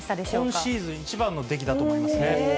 今シーズン一番の出来だと思いますね。